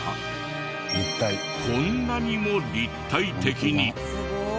こんなにも立体的に！